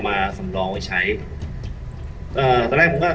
สวัสดีครับวันนี้เราจะกลับมาเมื่อไหร่